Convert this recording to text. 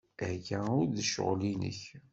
Aya ur d ccɣel-nnek.